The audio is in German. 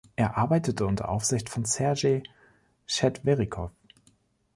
Er arbeitete unter der Aufsicht von Sergei Tschetwerikow.